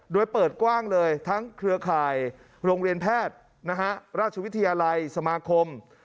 โดยเปิดกว้างเลยทั้งเครือข่ายโรงเรียนแพทย์ราชวิทยาลัยสมาคม